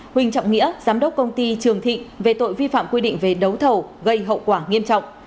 huỳnh trọng nghĩa giám đốc công ty trường thị về tội vi phạm quy định về đấu thầu gây hậu quả nghiêm trọng